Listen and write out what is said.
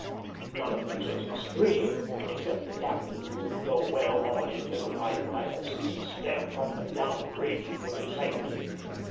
None of these was extreme, except the captain, whom, though well on in middle life, I have seen stamp up and down raging with excitement.